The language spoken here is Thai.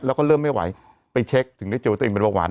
แล้วก็เริ่มไม่ไหวไปคุยเฉคถึงได้เจอตัวเราเป็นปะหว่าน